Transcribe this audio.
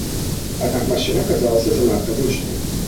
Аднак машына аказалася занадта гучнай.